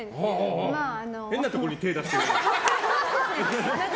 変なところに手出してる。